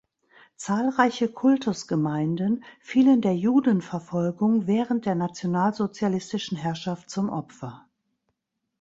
Zahlreiche Kultusgemeinden fielen der Judenverfolgung während der nationalsozialistischen Herrschaft zum Opfer.